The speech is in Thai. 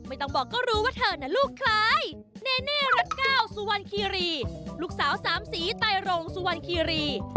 ไม่ต้องบอกก็รู้ว่าเธอนะลูกใคร